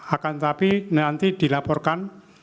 akan tetapi nanti dilaporkan